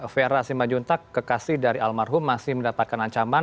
vr asim majuntak kekasih dari almarhum masih mendapatkan ancaman